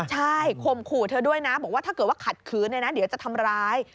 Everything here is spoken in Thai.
ใช่คมขู่เธอด้วยนะบอกว่าถ้าเกิดขัดคืนเดี๋ยวจะทำร้าย